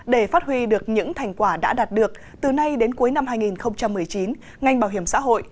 để phát huy được những thành quả đã đạt được từ nay đến cuối năm hai nghìn một mươi chín ngành bảo hiểm xã hội